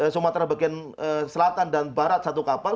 sumatera bagian selatan dan barat satu kapal